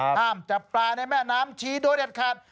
ห้ามจับปลาในแม่น้ำชีโดยเด็ดขาด